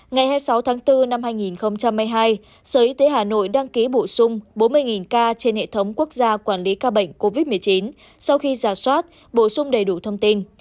ngày hai mươi sáu tháng bốn năm hai nghìn hai mươi hai sở y tế hà nội đăng ký bổ sung bốn mươi ca trên hệ thống quốc gia quản lý ca bệnh covid một mươi chín sau khi giả soát bổ sung đầy đủ thông tin